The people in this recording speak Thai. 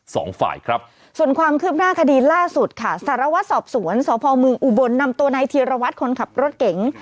สองฝ่ายครับส่วนความคืบหน้าคดีล่าสุดค่ะสารวัตรสอบสวนสพเมืองอุบลนำตัวนายธีรวัตรคนขับรถเก๋ง